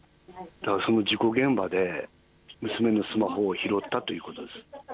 その事故現場で、娘のスマホを拾ったということです。